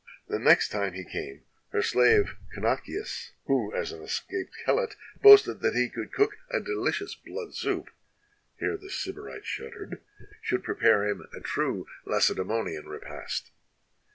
The next time he came her slave Knakias, who, as an escaped Helot, boasted that he could cook a delicious blood soup (here the Sybarite shuddered), should prepare him a true Lacedaemonian repast.